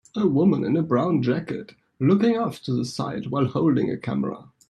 A woman in a brown jacket looking off to the side while holding a camera.